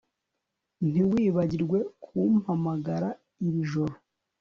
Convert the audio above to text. Ntiwibagirwe kumpamagara iri joro